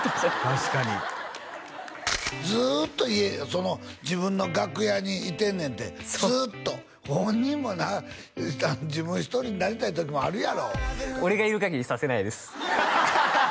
確かにずっとその自分の楽屋にいてんねんってそうずっと本人もな自分１人になりたい時もあるやろ俺がいる限りさせないですハハハ